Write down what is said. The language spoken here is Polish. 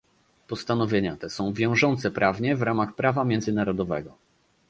Postanowienia te są wiążące prawnie w ramach prawa międzynarodowego